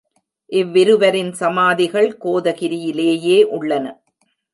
இவ்விருவரின் சமாதிகள் கோதகிரியிலேயே உள்ளன.